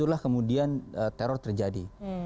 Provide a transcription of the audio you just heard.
disitulah kemudian teror terjadi